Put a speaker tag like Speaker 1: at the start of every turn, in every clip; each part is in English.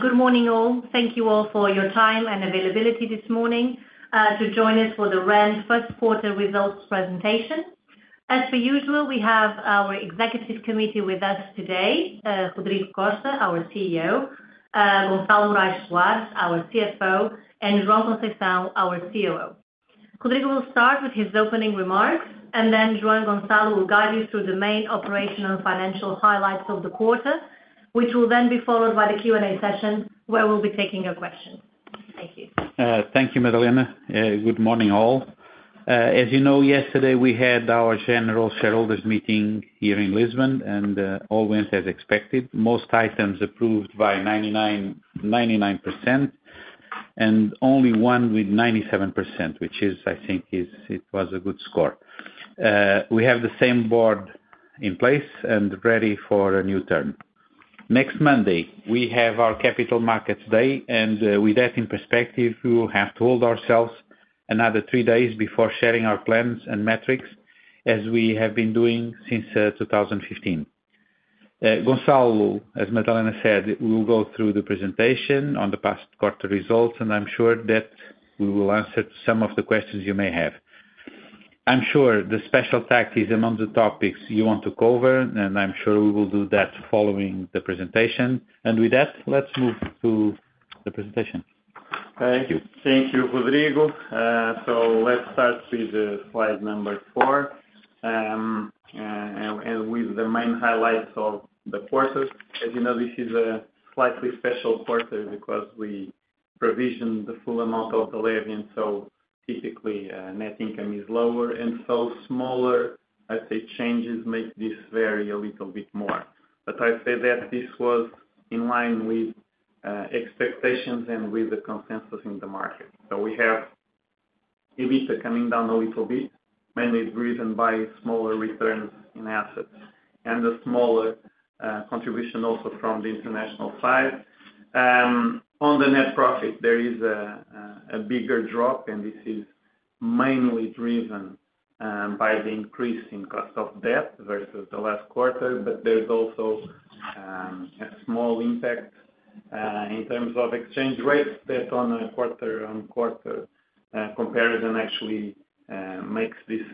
Speaker 1: Good morning all. Thank you all for your time and availability this morning, to join us for the REN first quarter results presentation. As per usual, we have our executive committee with us today, Rodrigo Costa, our CEO, Gonçalo Morais Soares, our CFO, and João Conceição, our COO. Rodrigo will start with his opening remarks, and then João and Gonçalo will guide you through the main operational and financial highlights of the quarter, which will then be followed by the Q&A session where we'll be taking your questions. Thank you.
Speaker 2: Thank you, Madalena. Good morning, all. As you know, yesterday we had our general shareholders' meeting here in Lisbon, and all went as expected. Most items approved by 99.99%, and only one with 97%, which I think was a good score. We have the same board in place and ready for a new term. Next Monday we have our capital markets day, and, with that in perspective, we will have to hold ourselves another three days before sharing our plans and metrics as we have been doing since 2015. Gonçalo, as Madalena said, we will go through the presentation on the past quarter results, and I'm sure that we will answer some of the questions you may have. I'm sure the CESE is among the topics you want to cover, and I'm sure we will do that following the presentation. With that, let's move to the presentation.
Speaker 3: Thank you. Thank you, Rodrigo. So let's start with slide number 4, and with the main highlights of the quarter. As you know, this is a slightly special quarter because we provisioned the full amount of the levy, and so typically, net income is lower. And so smaller, I'd say, changes make this vary a little bit more. But I'd say that this was in line with expectations and with the consensus in the market. So we have EBITDA coming down a little bit, mainly driven by smaller returns in assets and a smaller contribution also from the international side. On the net profit, there is a bigger drop, and this is mainly driven by the increase in cost of debt versus the last quarter. But there's also a small impact in terms of exchange rates that on a quarter-on-quarter comparison actually makes this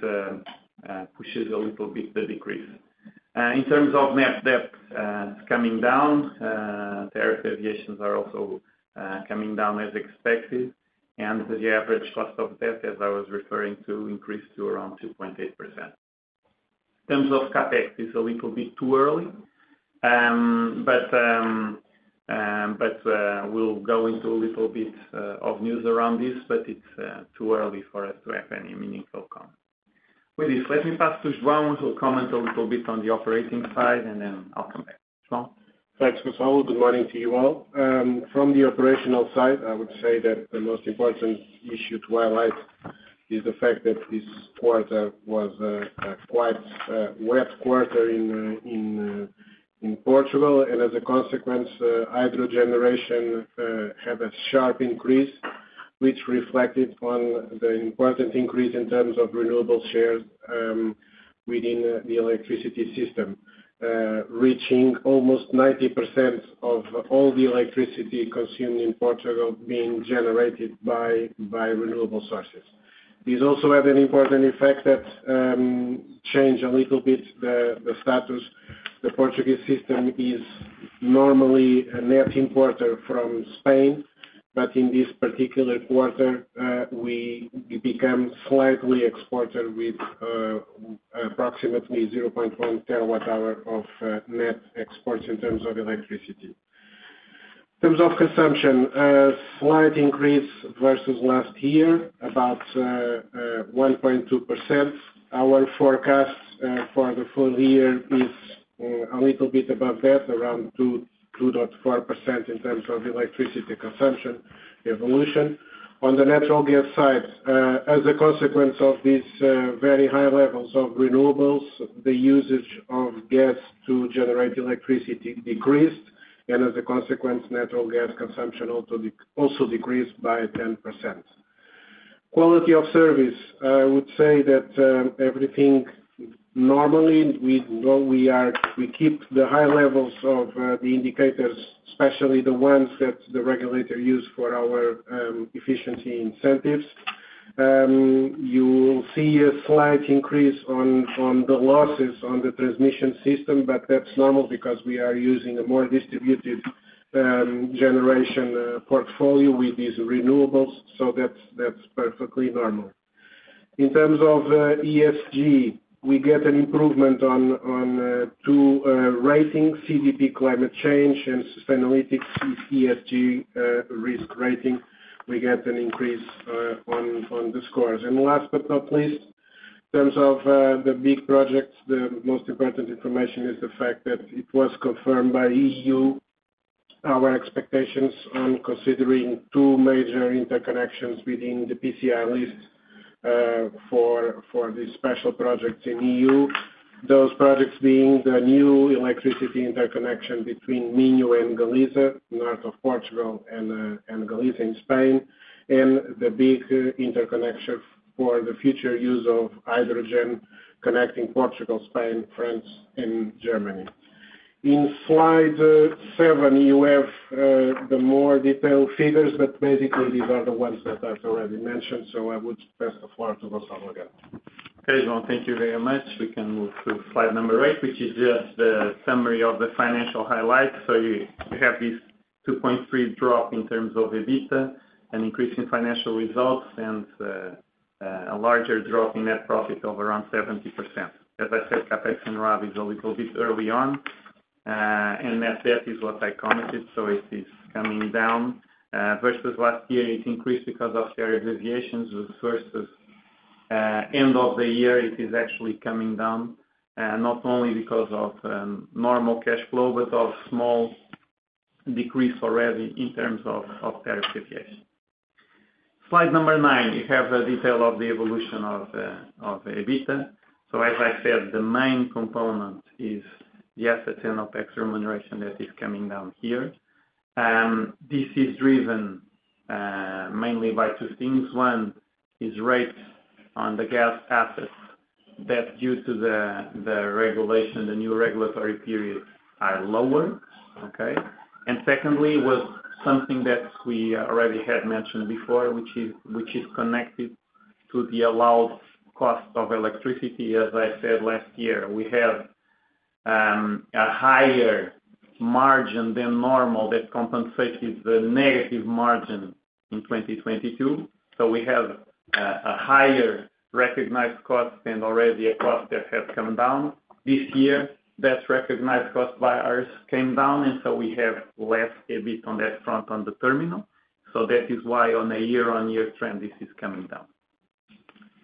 Speaker 3: push a little bit the decrease. In terms of net debt coming down, tariff deviations are also coming down as expected, and the average cost of debt, as I was referring to, increased to around 2.8%. In terms of CAPEX, it's a little bit too early, but we'll go into a little bit of news around this, but it's too early for us to have any meaningful comment. With this, let me pass to João who'll comment a little bit on the operating side, and then I'll come back. João?
Speaker 4: Thanks, Gonçalo. Good morning to you all. From the operational side, I would say that the most important issue to highlight is the fact that this quarter was a quite wet quarter in Portugal. And as a consequence, hydro generation had a sharp increase, which reflected on the important increase in terms of renewable shares within the electricity system, reaching almost 90% of all the electricity consumed in Portugal being generated by renewable sources. This also had an important effect that changed a little bit the status. The Portuguese system is normally a net importer from Spain, but in this particular quarter, we became a slight exporter with approximately 0.1 terawatt-hour of net exports in terms of electricity. In terms of consumption, slight increase versus last year, about 1.2%. Our forecast for the full year is a little bit above that, around 2-2.4% in terms of electricity consumption evolution. On the natural gas side, as a consequence of these very high levels of renewables, the usage of gas to generate electricity decreased, and as a consequence, natural gas consumption also decreased by 10%. Quality of service, I would say that everything normally we know we keep the high levels of the indicators, especially the ones that the regulator used for our efficiency incentives. You will see a slight increase on the losses on the transmission system, but that's normal because we are using a more distributed generation portfolio with these renewables, so that's perfectly normal. In terms of ESG, we get an improvement on 2 ratings: CDP Climate Change and Sustainalytics ESG risk rating. We get an increase on the scores. And last but not least, in terms of the big projects, the most important information is the fact that it was confirmed by EU our expectations on considering two major interconnections within the PCI list, for these special projects in EU, those projects being the new electricity interconnection between Minho and Galiza, north of Portugal, and Galiza in Spain, and the big interconnection for the future use of hydrogen connecting Portugal, Spain, France, and Germany. In slide 7, you have the more detailed figures, but basically these are the ones that I've already mentioned, so I would pass the floor to Gonçalo again.
Speaker 3: Okay, João. Thank you very much. We can move to slide number 8, which is just the summary of the financial highlights. So you have this 2.3% drop in terms of EBITDA, an increase in financial results, and a larger drop in net profit of around 70%. As I said, CAPEX and RAV is a little bit early on, and net debt is what I commented, so it is coming down, versus last year it increased because of tariff deviations, versus end of the year it is actually coming down, not only because of normal cash flow but of small decrease already in terms of tariff deviation. Slide number 9, you have a detail of the evolution of EBITDA. So as I said, the main component is the assets and OPEX remuneration that is coming down here. This is driven mainly by two things. One is rates on the gas assets that, due to the regulation, the new regulatory period, are lower, okay? Secondly was something that we already had mentioned before, which is connected to the allowed cost of electricity. As I said last year, we have a higher margin than normal that compensated the negative margin in 2022. So we have a higher recognized cost and already a cost that has come down. This year, that recognized cost by ERSE came down, and so we have less EBITDA on that front on the terminal. So that is why on a year-on-year trend this is coming down.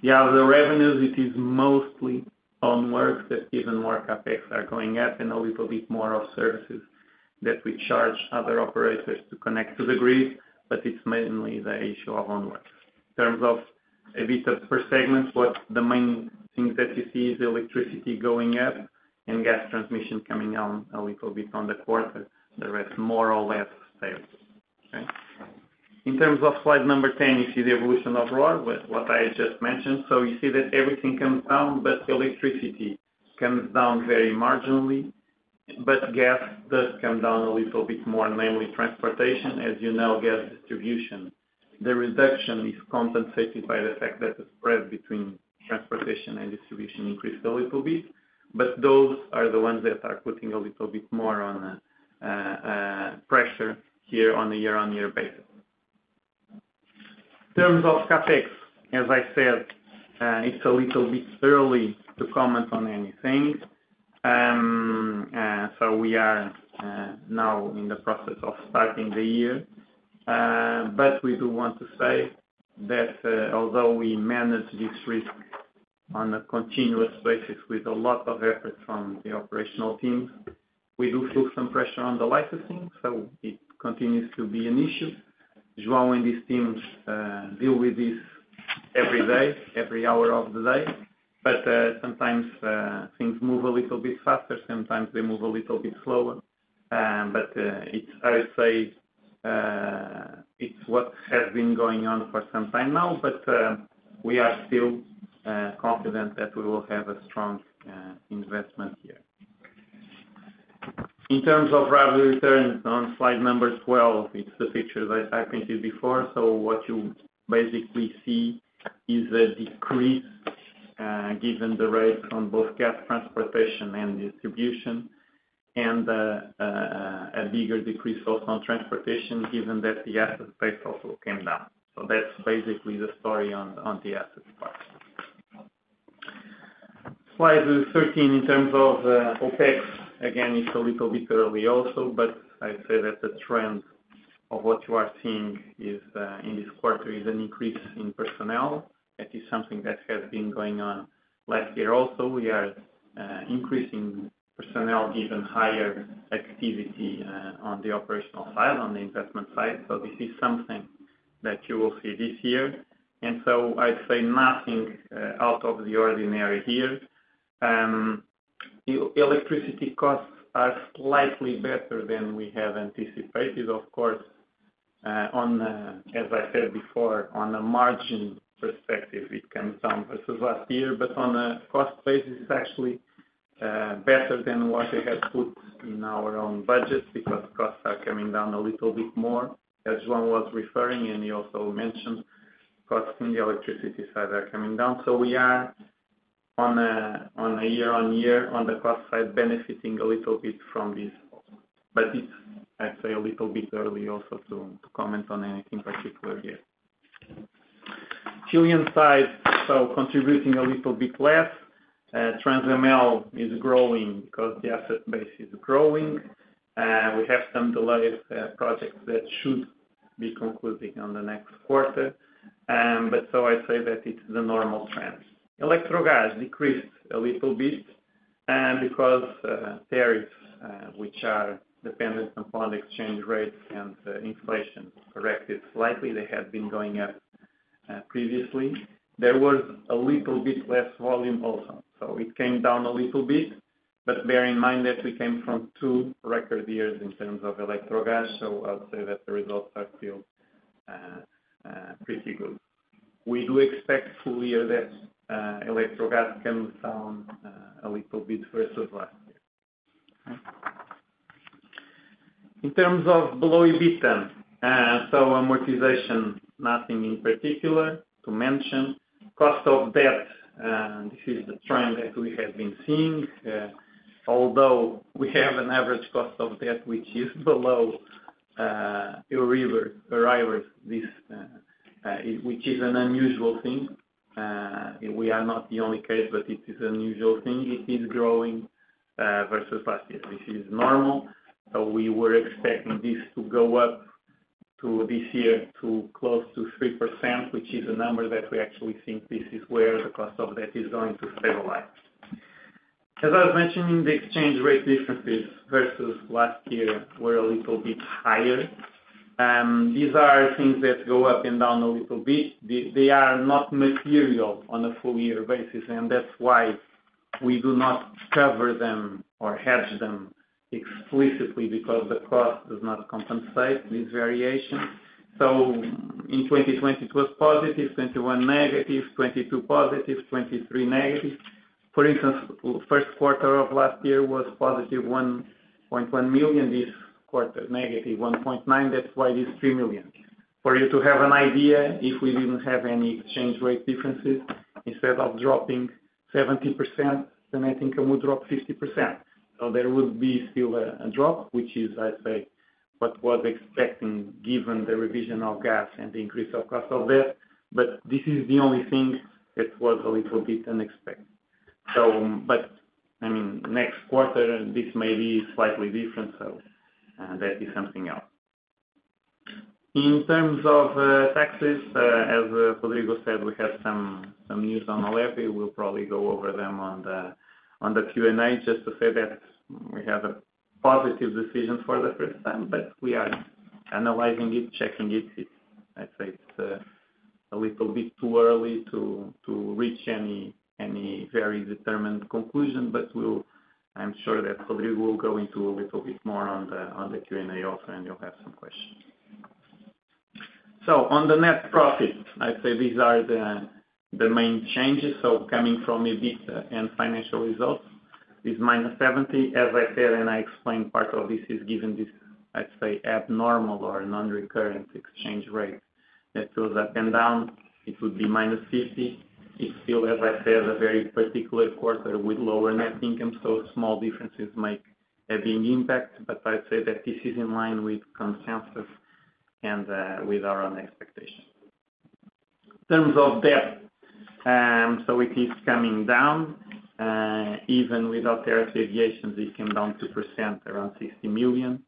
Speaker 3: The other revenues, it is mostly OPEX that even more CAPEX are going up and a little bit more of services that we charge other operators to connect to the grid, but it's mainly the issue of OPEX. In terms of EBITDA per segment, what the main things that you see is electricity going up and gas transmission coming down a little bit on the quarter. The rest, more or less, stays, okay? In terms of slide number 10, you see the evolution overall with what I had just mentioned. So you see that everything comes down, but electricity comes down very marginally, but gas does come down a little bit more, namely transportation. As you know, gas distribution, the reduction is compensated by the fact that the spread between transportation and distribution increased a little bit, but those are the ones that are putting a little bit more on, pressure here on a year-on-year basis. In terms of CAPEX, as I said, it's a little bit early to comment on anything. So we are now in the process of starting the year, but we do want to say that although we manage this risk on a continuous basis with a lot of effort from the operational teams, we do feel some pressure on the licensing, so it continues to be an issue. João and his teams deal with this every day, every hour of the day, but sometimes things move a little bit faster. Sometimes they move a little bit slower, but it's, I'd say, it's what has been going on for some time now, but we are still confident that we will have a strong investment here. In terms of RAV returns on slide number 12, it's the picture that I printed before. So what you basically see is a decrease, given the rates on both gas transportation and distribution, and a bigger decrease also on transportation given that the asset base also came down. So that's basically the story on the asset part. Slide 13, in terms of OPEX, again, it's a little bit early also, but I'd say that the trend of what you are seeing is, in this quarter is an increase in personnel. That is something that has been going on last year also. We are increasing personnel given higher activity, on the operational side, on the investment side. So this is something that you will see this year. And so I'd say nothing out of the ordinary here. Electricity costs are slightly better than we have anticipated, of course, as I said before, on a margin perspective, it comes down versus last year, but on a cost basis, it's actually better than what we have put in our own budgets because costs are coming down a little bit more, as João was referring, and he also mentioned costs in the electricity side are coming down. So we are on a year-on-year, on the cost side, benefiting a little bit from this, but it's, I'd say, a little bit early also to comment on anything particular here. LNG side, so contributing a little bit less. Transemel is growing because the asset base is growing. We have some delays, projects that should be concluding on the next quarter, but so I'd say that it's the normal trend. Electrogas decreased a little bit, because tariffs, which are dependent upon exchange rates and inflation, corrected slightly. They had been going up previously. There was a little bit less volume also, so it came down a little bit, but bear in mind that we came from two record years in terms of Electrogas, so I'd say that the results are still pretty good. We do expect full year that Electrogas comes down a little bit versus last year. Okay. In terms of below EBITDA, so amortization, nothing in particular to mention. Cost of debt, this is the trend that we have been seeing, although we have an average cost of debt which is below EURIBOR arrivals this, which is an unusual thing. We are not the only case, but it is an unusual thing. It is growing versus last year. This is normal, so we were expecting this to go up to this year to close to 3%, which is a number that we actually think this is where the cost of debt is going to stabilize. As I was mentioning, the exchange rate differences versus last year were a little bit higher. These are things that go up and down a little bit. They are not material on a full year basis, and that's why we do not cover them or hedge them explicitly because the cost does not compensate these variations. So in 2020, it was positive, 2021 negative, 2022 positive, 2023 negative. For instance, the first quarter of last year was positive 1.1 million, this quarter negative 1.9 million. That's why it is 3 million. For you to have an idea, if we didn't have any exchange rate differences, instead of dropping 70%, then I think it would drop 50%. So there would be still a drop, which is, I'd say, what was expected given the revision of gas and the increase of cost of debt, but this is the only thing that was a little bit unexpected. So, but I mean, next quarter, this may be slightly different, so, that is something else. In terms of taxes, as Rodrigo said, we have some news on OLEP. We'll probably go over them on the Q&A just to say that we have a positive decision for the first time, but we are analyzing it, checking it. It's a little bit too early to reach any very determined conclusion, but I'm sure that Rodrigo will go into a little bit more on the Q&A also, and you'll have some questions. So on the net profit, I'd say these are the main changes. So coming from EBITDA and financial results, it's -70. As I said, and I explained, part of this is given this, I'd say, abnormal or non-recurrent exchange rate that goes up and down. It would be -50. It's still, as I said, a very particular quarter with lower net income, so small differences make a big impact, but I'd say that this is in line with consensus and with our own expectations. In terms of debt, so it is coming down. Even without tariff deviations, it came down 2%, around 60 million.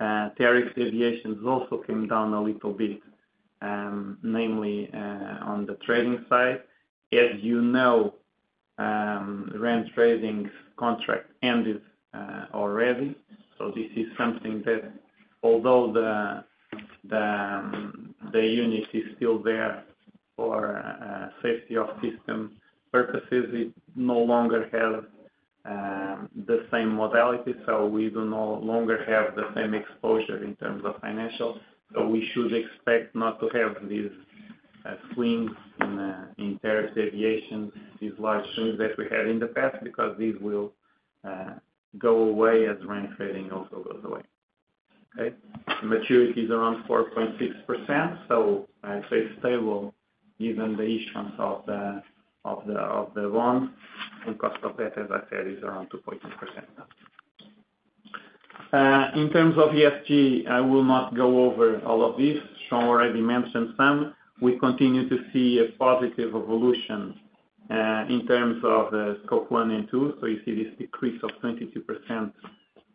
Speaker 3: Tariff deviations also came down a little bit, namely, on the trading side. As you know, REN Trading contract ended, already, so this is something that although the unit is still there for safety of system purposes, it no longer has the same modality, so we do no longer have the same exposure in terms of financial. So we should expect not to have these swings in tariff deviations, these large swings that we had in the past because these will go away as REN Trading also goes away, okay? Maturity is around 4.6%, so I'd say stable given the issues of the bond, and cost of debt, as I said, is around 2.2%. In terms of ESG, I will not go over all of this. João already mentioned some. We continue to see a positive evolution, in terms of, Scope 1 and 2. So you see this decrease of 22%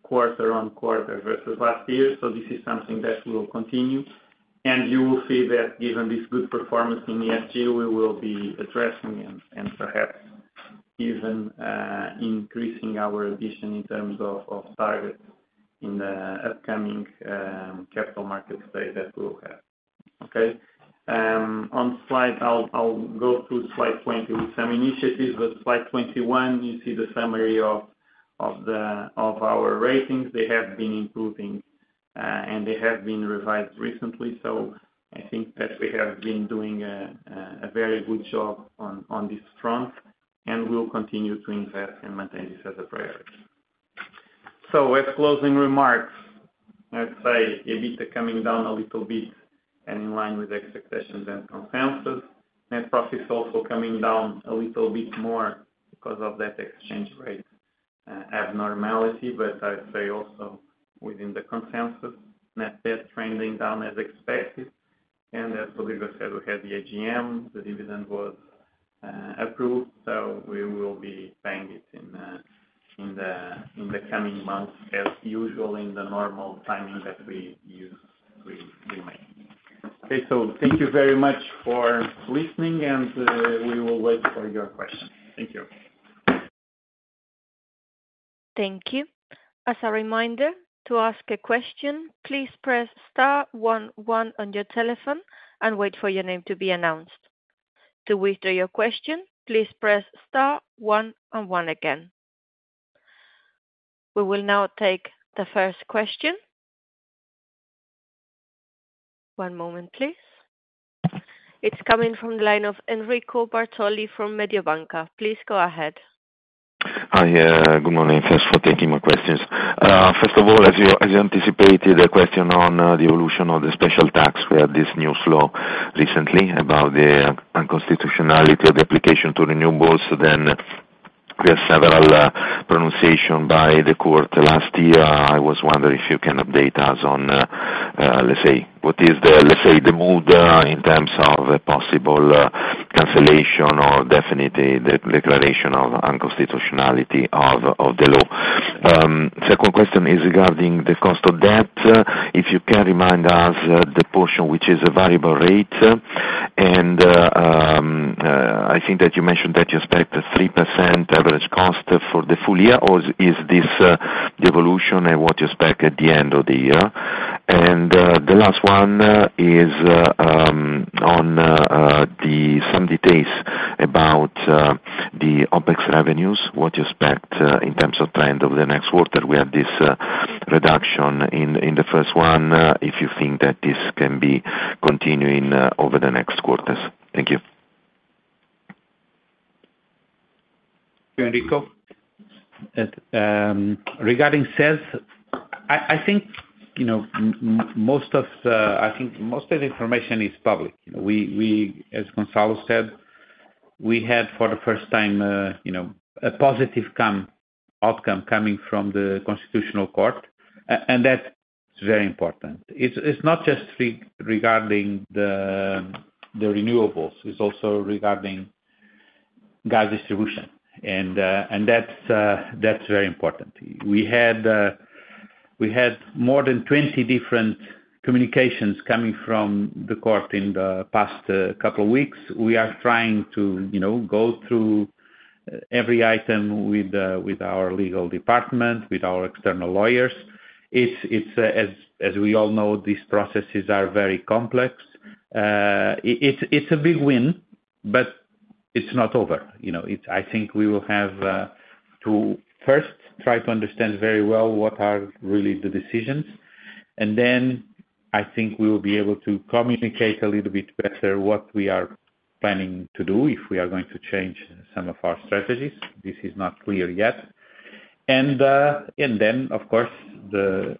Speaker 3: quarter-on-quarter versus last year, so this is something that will continue. And you will see that given this good performance in ESG, we will be addressing and, and perhaps even, increasing our addition in terms of, of targets in the upcoming, Capital Markets Day that we'll have, okay? On slide, I'll, I'll go through slide 20 with some initiatives, but slide 21, you see the summary of, of the of our ratings. They have been improving, and they have been revised recently, so I think that we have been doing a, a very good job on, on this front, and we'll continue to invest and maintain this as a priority. So as closing remarks, I'd say EBITDA coming down a little bit and in line with expectations and consensus. Net profit's also coming down a little bit more because of that exchange rate abnormality, but I'd say also within the consensus. Net debt trending down as expected. And as Rodrigo said, we had the AGM. The dividend was approved, so we will be paying it in the coming months as usual in the normal timing that we use. Okay, so thank you very much for listening, and we will wait for your questions. Thank you.
Speaker 5: Thank you. As a reminder, to ask a question, please press star 11 on your telephone and wait for your name to be announced. To withdraw your question, please press star 11 again. We will now take the first question. One moment, please. It's coming from the line of Enrico Bartoli from Mediobanca. Please go ahead.
Speaker 6: Hi, good morning. Thanks for taking my questions. First of all, as you anticipated, a question on the evolution of the special tax. We had this new law recently about the unconstitutionality of the application to renewables, so then we had several pronunciations by the court last year. I was wondering if you can update us on, let's say, what is the, let's say, the mood, in terms of a possible cancellation or definitely the declaration of unconstitutionality of the law. Second question is regarding the cost of debt. If you can remind us the portion which is a variable rate, and, I think that you mentioned that you expect a 3% average cost for the full year, or is this the evolution and what you expect at the end of the year? The last one is on some details about the OPEX revenues, what you expect in terms of trend of the next quarter. We had this reduction in the first one. If you think that this can be continuing over the next quarters. Thank you.
Speaker 2: Enrico? Regarding CESE, I think, you know, most of the information is public. You know, we, as Gonçalo said, we had for the first time, you know, a positive outcome coming from the constitutional court, and that's very important. It's not just regarding the renewables. It's also regarding gas distribution, and that's very important. We had more than 20 different communications coming from the court in the past couple of weeks. We are trying to, you know, go through every item with our legal department, with our external lawyers. It's, as we all know, these processes are very complex. It's a big win, but it's not over. You know, it's, I think we will have to first try to understand very well what are really the decisions, and then I think we will be able to communicate a little bit better what we are planning to do if we are going to change some of our strategies. This is not clear yet. And then, of course, the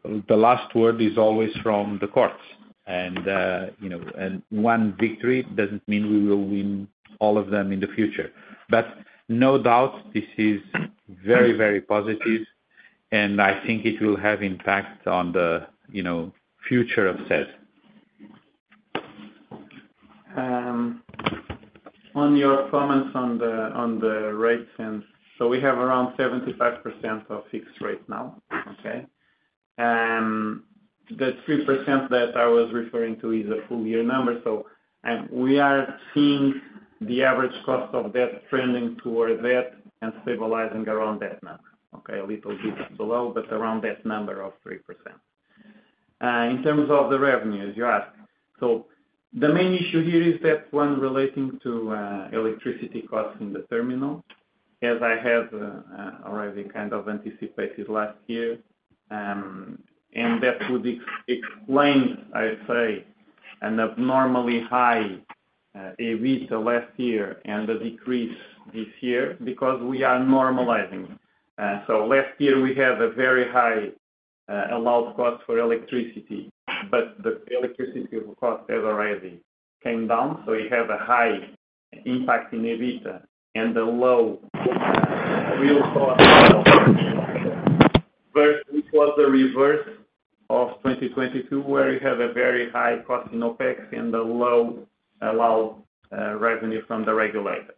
Speaker 2: last word is always from the courts, and, you know, and one victory doesn't mean we will win all of them in the future, but no doubt this is very, very positive, and I think it will have impact on the, you know, future of sales. On your comments on the rates, and so we have around 75% of fixed rate now, okay? The 3% that I was referring to is a full year number, so and we are seeing the average cost of debt trending toward that and stabilizing around that number, okay? A little bit below, but around that number of 3%. In terms of the revenues, you asked, so the main issue here is that one relating to electricity costs in the terminal, as I had already kind of anticipated last year, and that would explain, I'd say, an abnormally high EBITDA last year and a decrease this year because we are normalizing. So last year we had a very high allowed cost for electricity, but the electricity cost has already came down, so we have a high impact in EBITDA and a low real cost versus which was the reverse of 2022 where we had a very high cost in OPEX and a low allowed revenue from the regulator.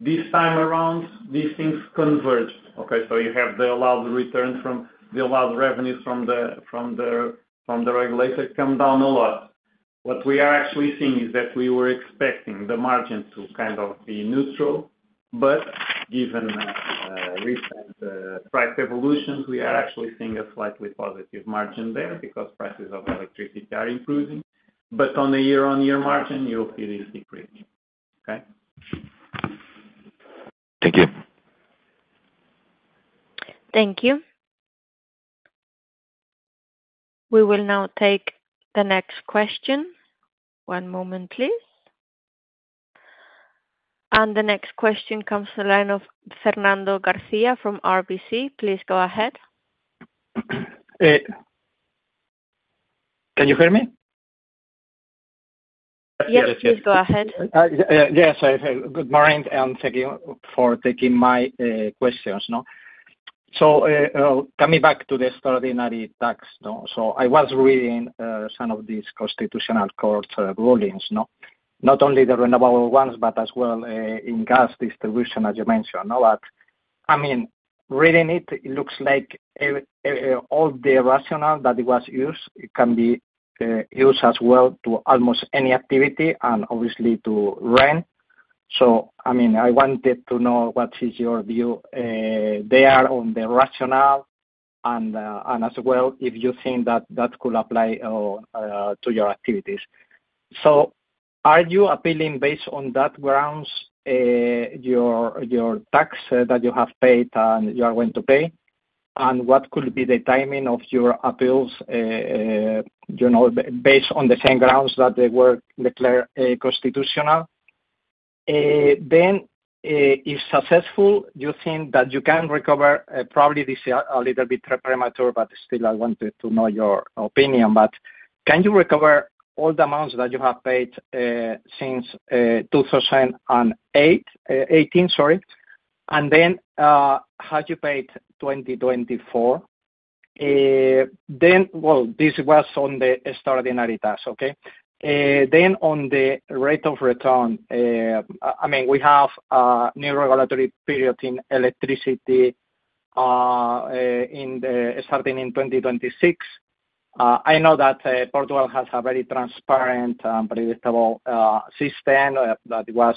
Speaker 2: This time around, these things converge, okay? So you have the allowed return from the allowed revenues from the regulator come down a lot. What we are actually seeing is that we were expecting the margin to kind of be neutral, but given recent price evolutions, we are actually seeing a slightly positive margin there because prices of electricity are improving. But on the year-on-year margin, you'll see this decrease, okay?
Speaker 6: Thank you.
Speaker 5: Thank you. We will now take the next question. One moment, please. The next question comes to the line of Fernando Garcia from RBC. Please go ahead.
Speaker 7: Can you hear me?
Speaker 2: Yes, yes, yes.
Speaker 5: Yes, please go ahead.
Speaker 7: Yes, I hear you. Good morning, and thank you for taking my questions, no? So, coming back to the extraordinary tax, no? So I was reading some of these constitutional courts rulings, no? Not only the renewable ones, but as well in gas distribution, as you mentioned, no? But I mean, reading it, it looks like all the rationale that it was used, it can be used as well to almost any activity and obviously to REN. So I mean, I wanted to know what is your view there on the rationale and as well if you think that that could apply to your activities. So are you appealing based on that grounds, your tax that you have paid and you are going to pay? And what could be the timing of your appeals, you know, based on the same grounds that they were declared constitutional? If successful, you think that you can recover. Probably this is a little bit premature, but still, I wanted to know your opinion. But can you recover all the amounts that you have paid since 2008-2018, sorry? And then, have you paid 2024? Then, well, this was on the extraordinary tax, okay? Then on the rate of return, I mean, we have a new regulatory period in electricity starting in 2026. I know that Portugal has a very transparent and predictable system that was,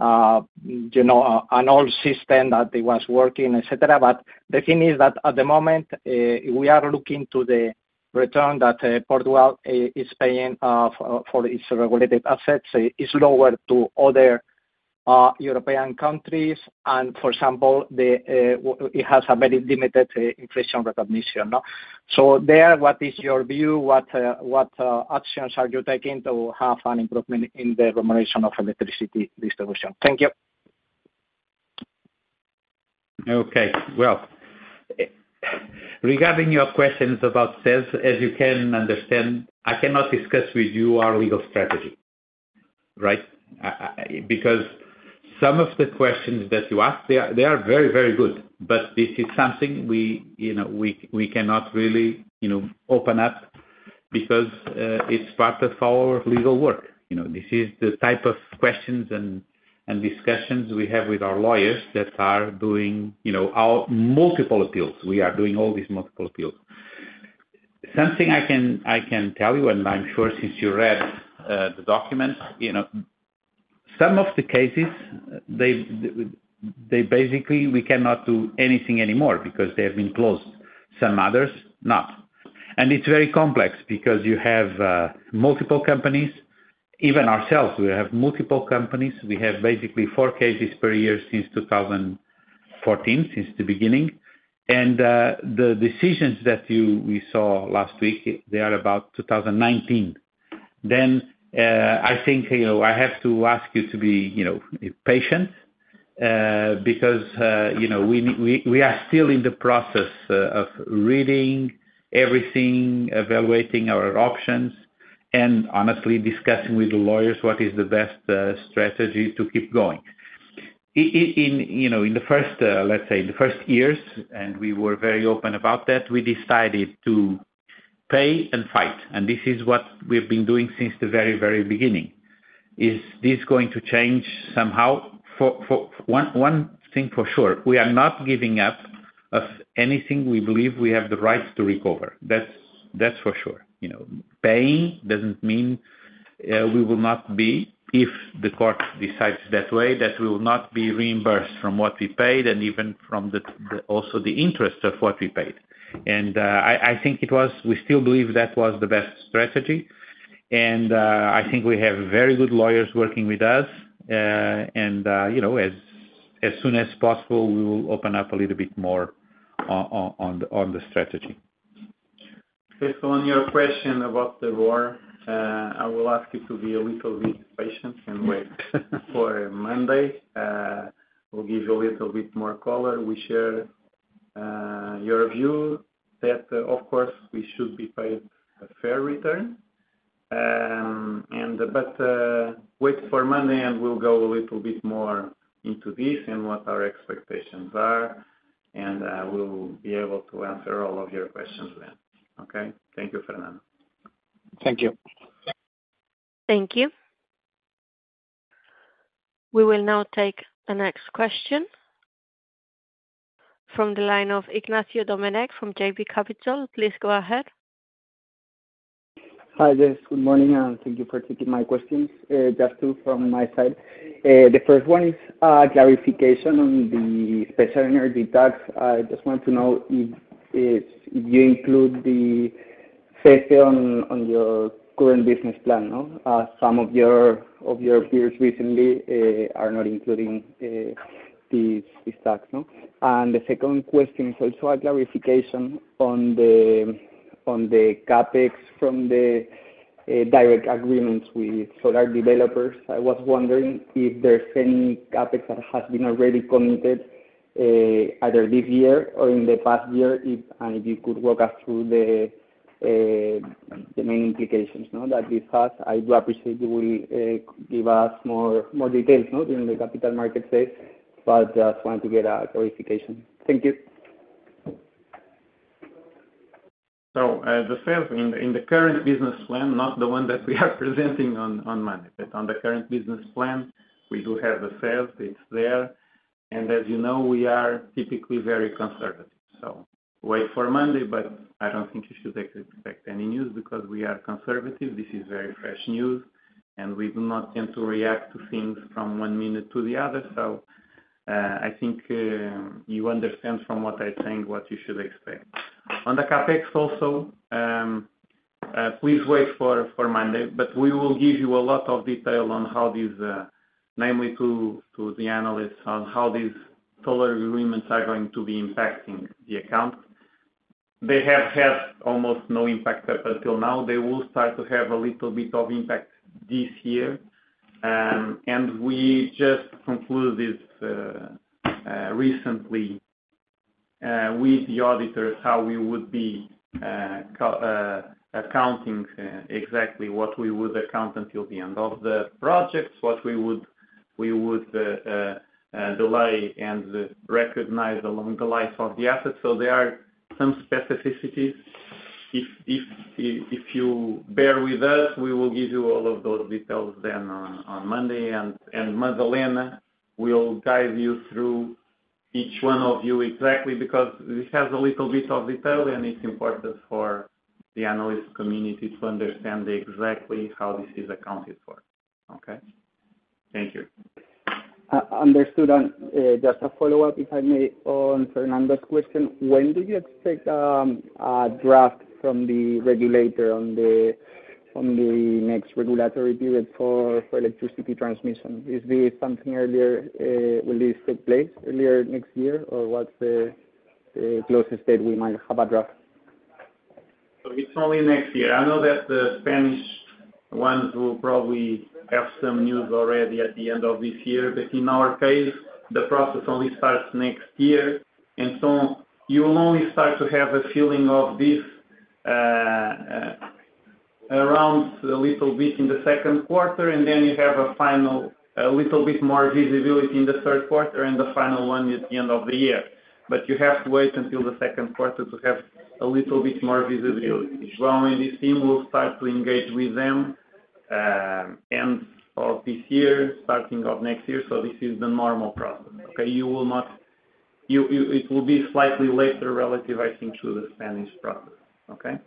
Speaker 7: you know, an old system that it was working, etc., but the thing is that at the moment, we are looking to the return that Portugal is paying for its regulated assets is lower to other European countries. And for example, it has a very limited inflation recognition, no? So there, what is your view? What actions are you taking to have an improvement in the remuneration of electricity distribution? Thank you.
Speaker 3: Okay. Well, regarding your questions about sales, as you can understand, I cannot discuss with you our legal strategy, right? Because some of the questions that you asked, they are very, very good, but this is something we, you know, cannot really, you know, open up because it's part of our legal work. You know, this is the type of questions and discussions we have with our lawyers that are doing, you know, our multiple appeals. We are doing all these multiple appeals. Something I can tell you, and I'm sure since you read the documents, you know, some of the cases, they basically we cannot do anything anymore because they have been closed. Some others, not. And it's very complex because you have multiple companies. Even ourselves, we have multiple companies. We have basically 4 cases per year since 2014, since the beginning. The decisions that you saw last week, they are about 2019. Then, I think, you know, I have to ask you to be, you know, patient, because, you know, we are still in the process of reading everything, evaluating our options, and honestly discussing with the lawyers what is the best strategy to keep going. In you know, in the first, let's say, in the first years, and we were very open about that, we decided to pay and fight. This is what we've been doing since the very, very beginning. Is this going to change somehow? For one thing for sure, we are not giving up of anything we believe we have the right to recover. That's for sure. You know, paying doesn't mean we will not be—if the court decides that way—that we will not be reimbursed from what we paid and even from the, the also the interest of what we paid. And, I think it was we still believe that was the best strategy. And, I think we have very good lawyers working with us, and, you know, as soon as possible, we will open up a little bit more on the strategy. Okay. So on your question about the ROR, I will ask you to be a little bit patient and wait for Monday. We'll give you a little bit more color. We share your view that, of course, we should be paid a fair return. Wait for Monday, and we'll go a little bit more into this and what our expectations are, and we'll be able to answer all of your questions then, okay? Thank you, Fernando.
Speaker 7: Thank you.
Speaker 5: Thank you. We will now take the next question from the line of Ignacio Domenech from JB Capital. Please go ahead.
Speaker 8: Hi, guys. Good morning, and thank you for taking my questions. Just two from my side. The first one is, clarification on the special energy tax. I just want to know if, if, if you include the CESE in, in your current business plan, no? Some of your peers recently are not including these tax, no? And the second question is also a clarification on the CAPEX from the direct agreements with solar developers. I was wondering if there's any CAPEX that has been already committed, either this year or in the past year, if and if you could walk us through the main implications, no? That this has. I do appreciate you will give us more details, no? In the capital market sales, but just wanted to get a clarification. Thank you.
Speaker 3: So, the CESE in the current business plan, not the one that we are presenting on Monday, but in the current business plan, we do have the CESE. It's there. And as you know, we are typically very conservative, so wait for Monday, but I don't think you should expect any news because we are conservative. This is very fresh news, and we do not tend to react to things from one minute to the other. So, I think you understand from what I'm saying what you should expect. On the CAPEX also, please wait for Monday, but we will give you a lot of detail on how this, namely to the analysts, on how these solar agreements are going to be impacting the account. They have had almost no impact up until now. They will start to have a little bit of impact this year. And we just concluded this recently with the auditors, how we would be co-accounting exactly what we would account until the end of the projects, what we would delay and recognize along the life of the assets. So there are some specificities. If you bear with us, we will give you all of those details then on Monday, and Madalena will guide you through each one exactly because this has a little bit of detail, and it's important for the analyst community to understand exactly how this is accounted for, okay? Thank you.
Speaker 8: Understood. And, just a follow-up, if I may, on Fernando's question, when do you expect a draft from the regulator on the next regulatory period for electricity transmission? Is this something earlier? Will this take place earlier next year, or what's the closest date we might have a draft?
Speaker 3: So it's only next year. I know that the Spanish ones will probably have some news already at the end of this year, but in our case, the process only starts next year. And so you will only start to have a feeling of this, around a little bit in the second quarter, and then you have a final a little bit more visibility in the third quarter and the final one at the end of the year. But you have to wait until the second quarter to have a little bit more visibility. João and his team will start to engage with them, end of this year, starting of next year. So this is the normal process, okay? It will be slightly later relative, I think, to the Spanish process, okay?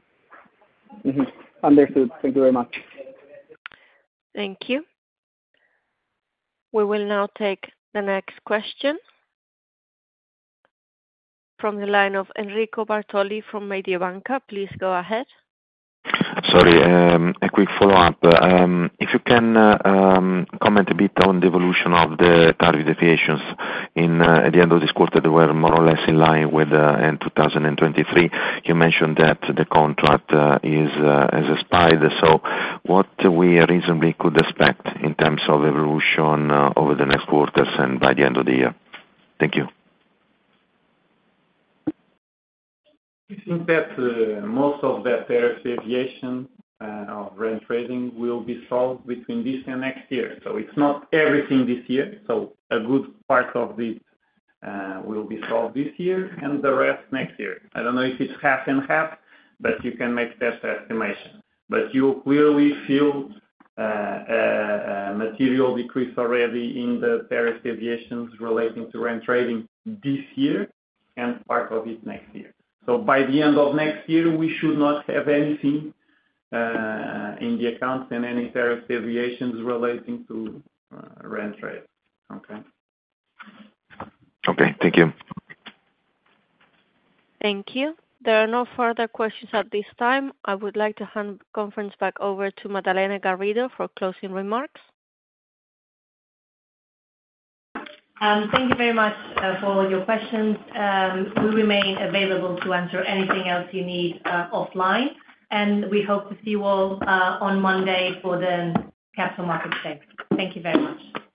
Speaker 8: Mm-hmm. Understood. Thank you very much.
Speaker 5: Thank you. We will now take the next question from the line of Enrico Bartoli from Mediobanca. Please go ahead.
Speaker 6: Sorry, a quick follow-up. If you can, comment a bit on the evolution of the tariff deviations. At the end of this quarter, they were more or less in line with end 2023. You mentioned that the contract has expired. So what we reasonably could expect in terms of evolution over the next quarters and by the end of the year? Thank you.
Speaker 3: I think that most of that tariff deviation of REN Trading will be solved between this and next year. So it's not everything this year. So a good part of this will be solved this year, and the rest next year. I don't know if it's half and half, but you can make that estimation. But you'll clearly feel a material decrease already in the tariff deviations relating to REN Trading this year and part of it next year. So by the end of next year, we should not have anything in the accounts, and any tariff deviations relating to REN Trading, okay?
Speaker 6: Okay. Thank you.
Speaker 5: Thank you. There are no further questions at this time. I would like to hand conference back over to Madalena Garrido for closing remarks.
Speaker 1: Thank you very much for all your questions. We remain available to answer anything else you need offline, and we hope to see you all on Monday for the capital markets day. Thank you very much.